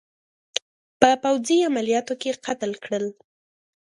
په پوځي عملیاتو کې قتل کړل.